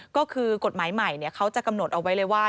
ก็คือกฎหมายใหม่เขาจะกำหนดเอาไว้เลยว่า